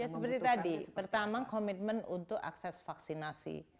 ya seperti tadi pertama komitmen untuk akses vaksinasi